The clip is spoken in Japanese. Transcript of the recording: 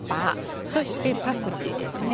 そしてパクチーですね。